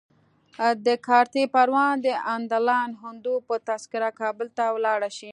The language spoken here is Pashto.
د کارته پروان د انندلال هندو په تذکره کابل ته ولاړ شي.